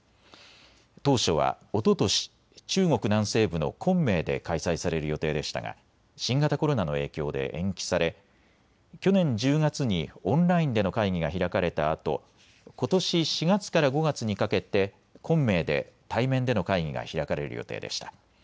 当初は、おととし中国南西部の昆明で開催される予定でしたが新型コロナの影響で延期され去年１０月にオンラインでの会議が開かれたあとことし４月から５月にかけて昆明で対面での会議が開かれる予定でした。